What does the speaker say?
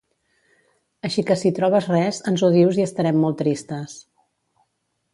Així que si trobes res, ens ho dius i estarem molt tristes.